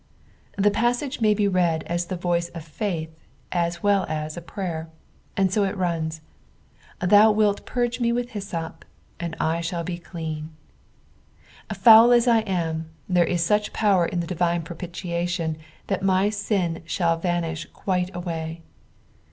The passage may be rend as the voice of faith as n'ell as a prayer, and so it runs —" Thou wilt purge me with hyssop, and I shall be clean," Foul as I am, there is such power in the divine propitiation, that my sin shall vanish (ji ite away.